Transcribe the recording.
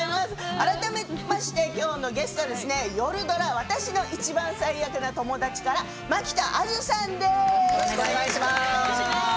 改めまして今日ゲスト夜ドラ「わたしの一番最悪なともだち」から蒔田彩珠さんです。